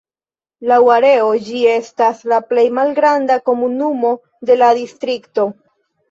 Laŭ areo ĝi estas la plej malgranda komunumo de la distrikto.